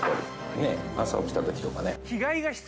朝起きたときとかね。